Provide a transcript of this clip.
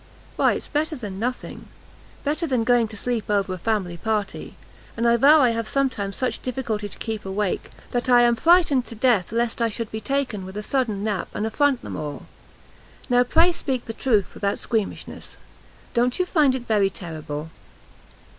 "Why it's better than nothing; better than going to sleep over a family party; and I vow I have sometimes such difficulty to keep awake, that I am frightened to death lest I should be taken with a sudden nap, and affront them all. Now pray speak the truth without squeamishness, don't you find it very terrible?"